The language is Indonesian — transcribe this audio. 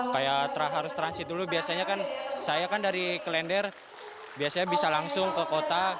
kayak harus transit dulu biasanya kan saya kan dari kelender biasanya bisa langsung ke kota